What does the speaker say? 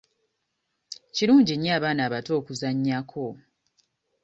Kirungi nnyo abaana abato okuzannyako.